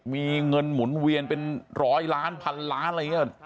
มีเงินหมุนเวียนเป็นร้อยล้านพันล้านอะไรอย่างนี้